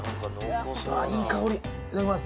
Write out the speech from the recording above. いい香りいただきます